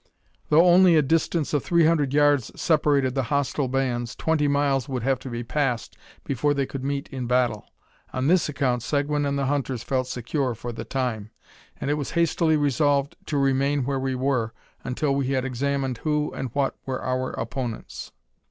Though only a distance of three hundred yards separated the hostile bands, twenty miles would have to be passed before they could meet in battle. On this account Seguin and the hunters felt secure for the time; and it was hastily resolved to remain where we were, until we had examined who and what were our opponents.